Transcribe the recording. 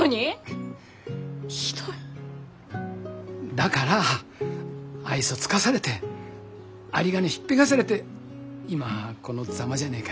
だから愛想尽かされて有り金引っぺがされて今このザマじゃねえかよ。